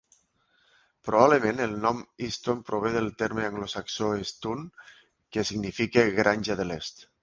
Probablement, el nom Easton prové del terme anglosaxó "East Tun", que significa "granja de l'est".